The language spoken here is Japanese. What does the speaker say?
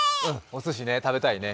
おすしね、食べたいね。